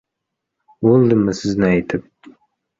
— O‘ldimmi, sizni aytib.